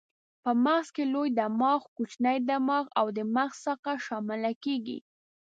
په مغز کې لوی دماغ، کوچنی دماغ او د مغز ساقه شامله کېږي.